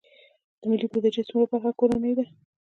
د ملي بودیجې څومره برخه کورنۍ ده؟